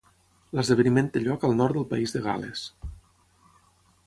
L'esdeveniment té lloc al nord del País de Gal·les.